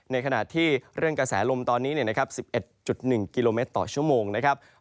ในขณะที่เรื่องกระแสลมตอนนี้นะครับ๑๑๑กิโลเมตรต่อชั่วโมงนะครับ